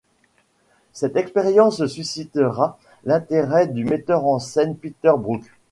Cette expérience suscitera l'intérêt du metteur en scène Peter Brook.